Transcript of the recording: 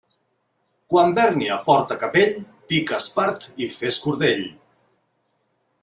Quan Bèrnia porta capell, pica espart i fes cordell.